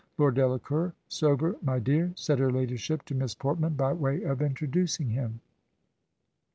' Lord Delacour, sober, my dear,' said her ladyship to Miss Portman, by way of introducing him."